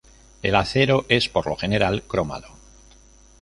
El acero es por lo general cromado.